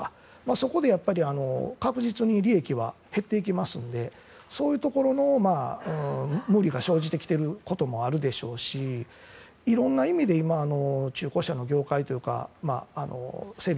そこで確実に利益は減っていきますのでそういうところの無理が生じてきているところもあるでしょうしいろんな意味で今、中古車の業界というか整備